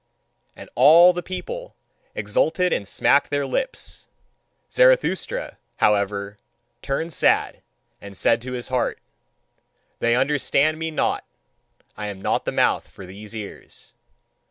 And all the people exulted and smacked their lips. Zarathustra, however, turned sad, and said to his heart: "They understand me not: I am not the mouth for these ears.